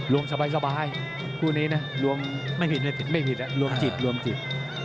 รวมสบายครู่นี้นะรวมไม่ผิดนะรวมจิต